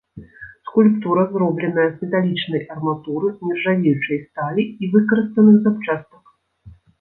Скульптура зробленая з металічнай арматуры, нержавеючай сталі і выкарыстаных запчастак.